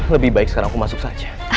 lebih baik sekarang aku masuk saja